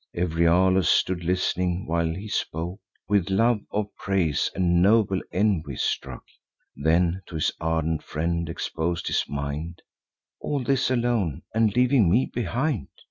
Euryalus stood list'ning while he spoke, With love of praise and noble envy struck; Then to his ardent friend expos'd his mind: "All this, alone, and leaving me behind!